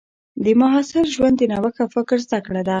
د محصل ژوند د نوښت او فکر زده کړه ده.